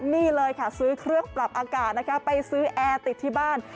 นี่เลยค่ะซื้อเครื่องปรับอากาศนะคะไปซื้อแอร์ติดที่บ้าน